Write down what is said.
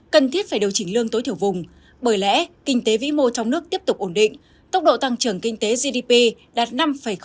cần thiết phải điều chỉnh lương tối thiểu vùng bởi lẽ kinh tế vĩ mô trong nước tiếp tục ổn định tốc độ tăng trưởng kinh tế gdp đạt năm sáu